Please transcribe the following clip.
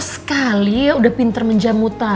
siapa yang dp parliament